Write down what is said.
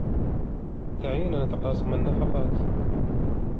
دعينا نتقاسم النفقات.